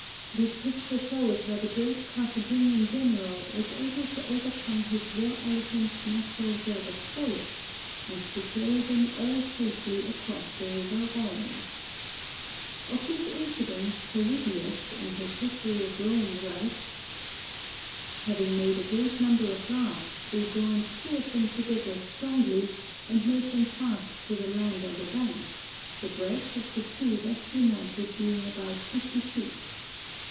This picture shows how the great Carthaginian general was able to overcome his war elephants' natural dread of boats, and to ferry them all safely across the river Rhone. Of this incident Polybius, in his history of Rome, writes: "Having made a great number of rafts, they joined two of them together strongly and made them fast to the land on the bank; the breadth of the two thus united being about fifty feet.